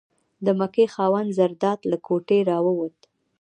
د مکۍ خاوند زرداد له کوټې راووت.